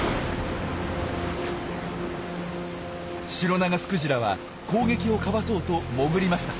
シロナガスクジラは攻撃をかわそうと潜りました。